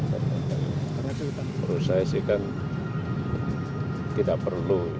menurut saya sih kan tidak perlu